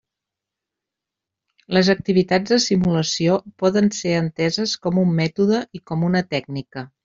Les activitats de simulació poden ser enteses com un mètode i com una tècnica.